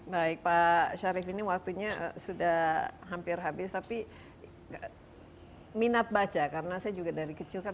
baik pak syarif ini waktunya sudah hampir habis tapi minat baca karena saya juga dari kecil kan